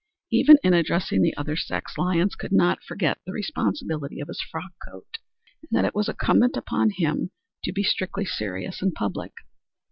Even in addressing the other sex, Lyons could not forget the responsibility of his frock coat and that it was incumbent upon him to be strictly serious in public.